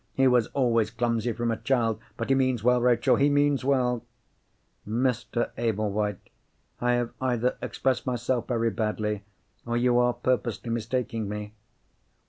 He was always clumsy from a child—but he means well, Rachel, he means well!" "Mr. Ablewhite, I have either expressed myself very badly, or you are purposely mistaking me.